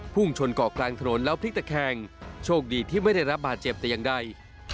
ชนเกาะกลางถนนแล้วพลิกตะแคงโชคดีที่ไม่ได้รับบาดเจ็บแต่อย่างใด